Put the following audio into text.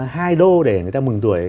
hai đô để người ta mừng tuổi